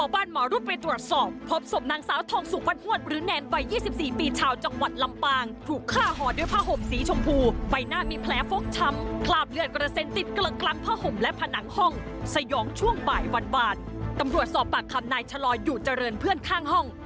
ตำรวจสอบปากคำนายชะลอยอยู่เจริญเพื่อนข้างห้อง